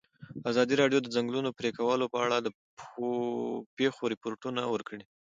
ازادي راډیو د د ځنګلونو پرېکول په اړه د پېښو رپوټونه ورکړي.